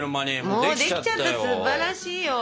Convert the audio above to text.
もうできちゃったすばらしいよ！